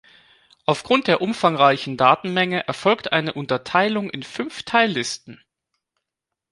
Aufgrund der umfangreichen Datenmenge erfolgt eine Unterteilung in fünf Teillisten.